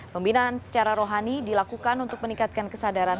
pembinaan secara rohani dilakukan untuk meningkatkan kesadaran